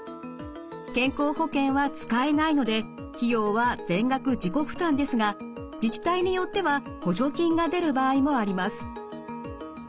健康保険は使えないので費用は全額自己負担ですが自治体によっては補助金が出る場合もあります。